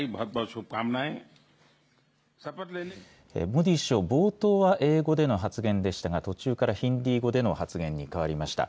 モディ首相、冒頭は英語での発言でしたが、途中からヒンディー語での発言に変わりました。